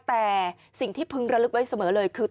แต่สิ่งที่พึงระลึกไว้เสมอเลยคือ